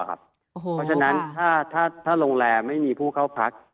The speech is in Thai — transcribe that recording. เพราะฉะนั้นถ้าโรงแรมไม่มีผู้เข้าพัก